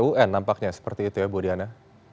un nampaknya seperti itu ya bu diana